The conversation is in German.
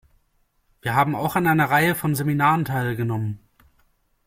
Wir haben auch an einer Reihe von Seminaren teilgenommen.